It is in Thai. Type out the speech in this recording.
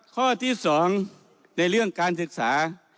ข้อที่๒ในเรื่องการศึกษา